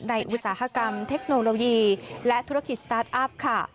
อุตสาหกรรมเทคโนโลยีและธุรกิจสตาร์ทอัพค่ะ